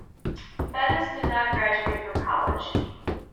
Bettis did not graduate from college.